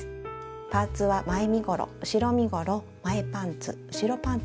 パーツは前身ごろ後ろ身ごろ前パンツ後ろパンツ